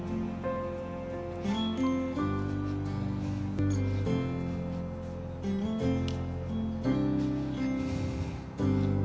atau mengambil alihnya